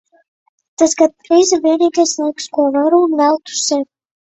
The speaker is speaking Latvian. Tas gandrīz ir vienīgais laiks, ko varu un veltu tikai sev.